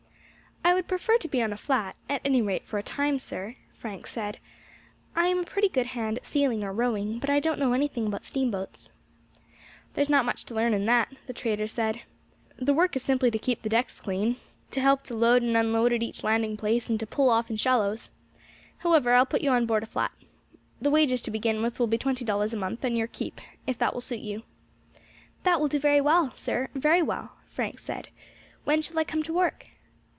"I would prefer to be on a flat, at any rate for a time, sir," Frank said; "I am a pretty good hand at sailing or rowing, but I don't know anything about steamboats." "There's not much to learn in that," the trader said; "the work is simply to keep the decks clean, to help to load and unload at each landing place, and to pole off in shallows. However, I will put you on board a flat. The wages to begin with will be twenty dollars a month and your keep, if that will suit you." "That will do, sir, very well," Frank said. "When shall I come to work?"